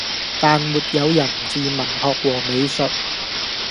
，但沒有人治文學和美術；